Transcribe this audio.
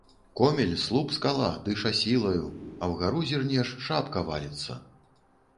Комель — слуп-скала, дыша сілаю, а ўгару зірнеш — шапка валіцца.